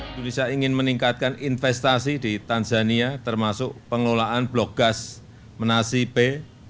indonesia ingin meningkatkan investasi di tanzania termasuk pengelolaan blok gas menasi b